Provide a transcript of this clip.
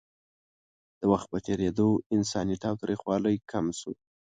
د وخت په تېرېدو انساني تاوتریخوالی کم شو.